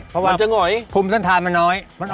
เพราะว่าภูมิสรรทานมันน้อยมันอ่อน